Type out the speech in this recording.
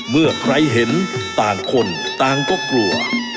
เมื่อใครเห็นต่างคนต่างก็กลัว